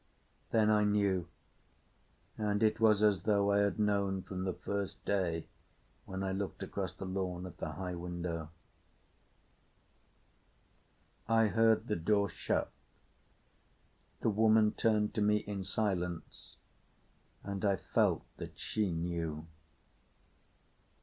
Then I knew. And it was as though I had known from the first day when I looked across the lawn at the high window. I heard the door shut. The woman turned to me in silence, and I felt that she knew.